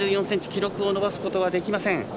記録を伸ばすことはできません。